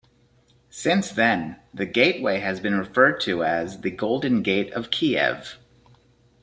Since then, the gateway has been referred to as the Golden Gate of Kiev.